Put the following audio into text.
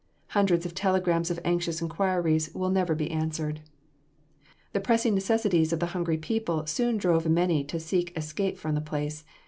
Hundreds of telegrams of anxious inquiries will never be answered. The pressing necessities of the hungry people soon drove many to seek escape from the place.